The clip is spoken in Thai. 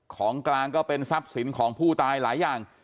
ของกลางก็เป็นทรัพย์สินของผู้ตายหลายอย่าง